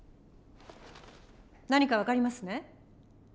何か分かりますね？